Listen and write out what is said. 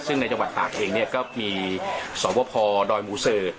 ซึ่งในจังหวัดตากเองก็มีสวพดอยหมูเสิร์ต